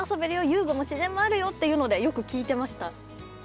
遊具も自然もあるよっていうのでよく聞いてました。